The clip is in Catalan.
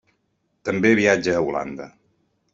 També viatja a Holanda.